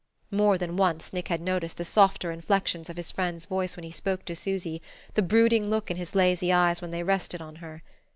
More than once, Nick had noticed the softer inflections of his friend's voice when he spoke to Susy, the brooding look in his lazy eyes when they rested on her.